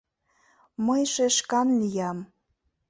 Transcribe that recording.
Мый шешкан лиям.